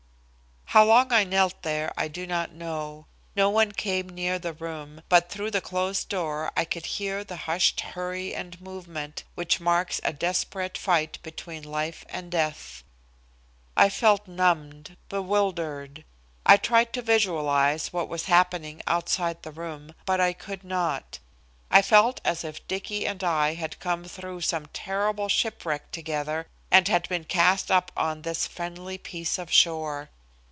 How long I knelt there I do not know. No one came near the room, but through the closed door I could hear the hushed hurry and movement which marks a desperate fight between life and death. I felt numbed, bewildered. I tried to visualize what was happening outside the room, but I could not. I felt as if Dicky and I had come through some terrible shipwreck together and had been cast up on this friendly piece of shore.